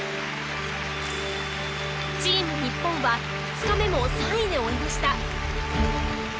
チーム日本は２日目も３位で終えました。